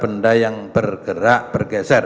benda yang bergerak bergeser